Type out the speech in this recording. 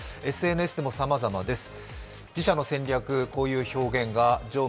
ＳＮＳでもさまざまです。